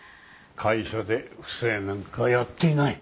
会社で不正なんかやっていない。